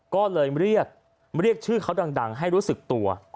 ก็เลยเรียกเรียกชื่อเขาดังให้รู้สึกตัว